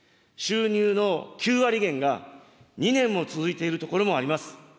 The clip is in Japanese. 収入の９割減が２年も続いているところもあります。